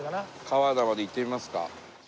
川名まで行ってみますか。